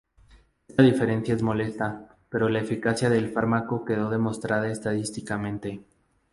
Esta diferencia es modesta, pero la eficacia del fármaco quedó demostrada estadísticamente.